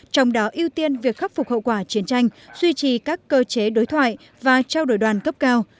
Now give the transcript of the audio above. trong đó ưu tiên việc khắc phục hậu quả chiến tranh duy trì các cơ chế đối thoại và trao đổi đoàn cấp cao